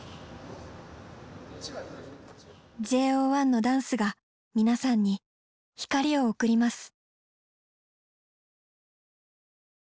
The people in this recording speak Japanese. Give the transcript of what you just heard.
ＪＯ１のダンスが皆さんに光を贈ります。